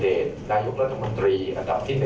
เห็นว่านายุครัฐมนตรีที่เหมาะสนไทยมากที่สุด